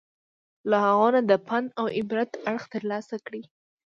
له هغو نه د پند او عبرت اړخ ترلاسه کړي.